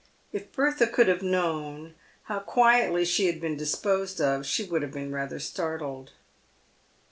If Bertha could have known how quietly she had been disposed of, she would have been rather startled.